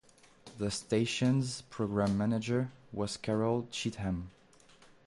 The station's Programme Manager was Carol Cheetham.